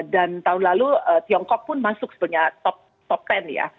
dan tahun lalu tiongkok pun masuk sebenarnya top ten ya